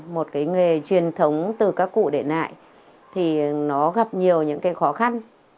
một cái nghề truyền thống từ các cụ để lại thì nó gặp nhiều những cái khó khăn